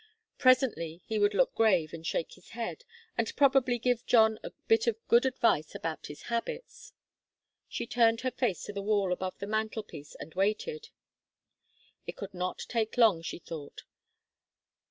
Presently he would look grave and shake his head, and probably give John a bit of good advice about his habits. She turned her face to the wall above the mantelpiece and waited. It could not take long, she thought.